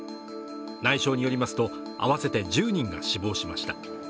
内相によりますと合わせて１０人が死亡しました。